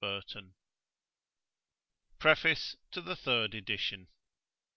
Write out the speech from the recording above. xix]PREFACE TO THE THIRD EDITION.